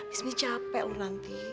ismi capek loh nanti